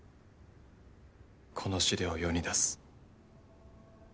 この資料を世に出す。